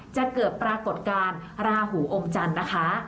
จะเกิดปรากฏการณ์ราหูองค์จันทร์นะคะ